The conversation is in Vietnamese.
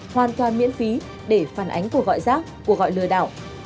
một nghìn năm trăm năm mươi sáu hoàn toàn miễn phí để phản ánh của gọi giác của gọi lừa đảo